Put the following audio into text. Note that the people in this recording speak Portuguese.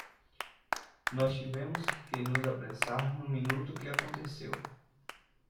Nós tivemos que nos apressar no minuto que aconteceu!